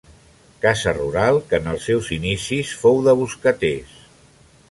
Casa rural que en els seus inicis fou de boscaters.